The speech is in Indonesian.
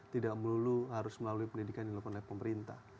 tidak melulu harus melalui pendidikan yang dilakukan oleh pemerintah